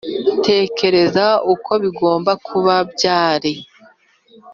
tekereza uko bigomba kuba byari a